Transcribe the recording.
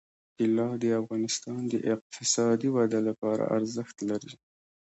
طلا د افغانستان د اقتصادي ودې لپاره ارزښت لري.